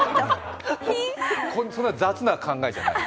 そんな雑な考えじゃない。